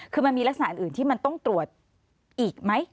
คือมันมีลักษณะอื่นที่มันต้องตรวจอีกไหม